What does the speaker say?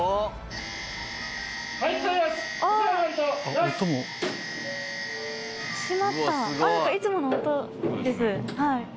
何かいつもの音です。